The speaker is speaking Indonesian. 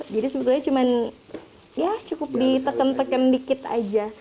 jadi sebetulnya hanya cukup ditekan sedikit saja